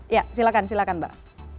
ya silakan mbak